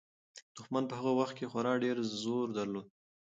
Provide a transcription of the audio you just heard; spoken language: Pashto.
دښمن په هغه وخت کې خورا ډېر زور درلود.